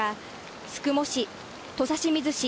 宿毛市、土佐清水市